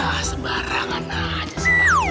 ah sembarangan aja